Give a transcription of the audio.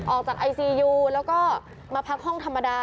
ออกจากไอซียูแล้วก็มาพักห้องธรรมดา